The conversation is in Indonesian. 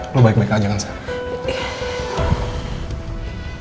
lo baik baik aja kan sah